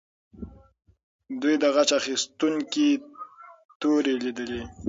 دوی د غچ اخیستونکې تورې لیدلې.